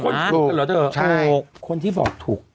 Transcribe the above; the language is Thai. คนถูกใช่คนที่บอกถูก